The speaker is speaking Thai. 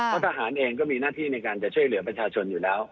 เพราะทหารเองก็มีหน้าที่ในการจะช่วยเหลือประชาชนอยู่แล้ว